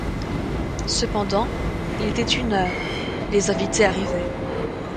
Cependant, il était une heure, les invités arrivaient.